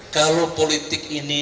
kalau politik ini